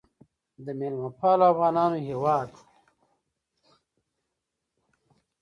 د میلمه پالو افغانانو هیواد.